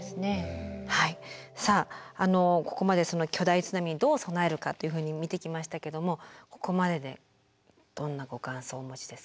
さあここまで巨大津波にどう備えるかというふうに見てきましたけどもここまででどんなご感想をお持ちですか？